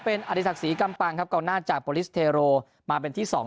เป็นอธิสักษรีกำปังครับเท่าข้างหน้าจากโปรลิซเทโร่มาเป็นที่สอง